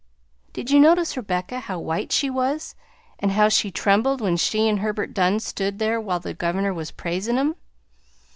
"Did you notice Rebecca, how white she was, and how she trembled when she and Herbert Dunn stood there while the governor was praisin' 'em?